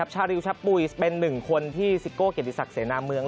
ชาริย์ชัปปุ๋ยเป็น๑คนที่ซิโกเกียรติศักดิ์เสนามือง